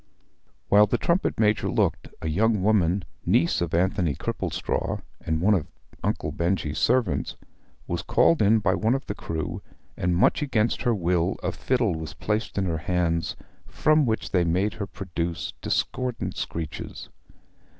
While the trumpet major looked, a young woman, niece of Anthony Cripplestraw, and one of Uncle Benjy's servants, was called in by one of the crew, and much against her will a fiddle was placed in her hands, from which they made her produce discordant screeches.